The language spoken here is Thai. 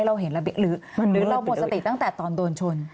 หรือเราหมดสติตั้งแต่ตอนโดนชน